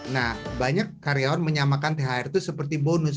nah banyak karyawan menyamakan thr itu seperti bonus